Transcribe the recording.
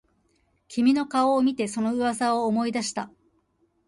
君の顔を見てその噂を思い出した